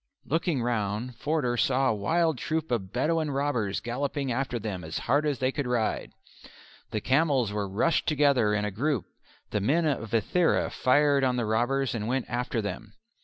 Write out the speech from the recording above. Looking round Forder saw a wild troop of Bedouin robbers galloping after them as hard as they could ride. The camels were rushed together in a group: the men of Ithera fired on the robbers and went after them.